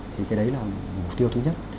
thì cái đấy là mục tiêu thứ nhất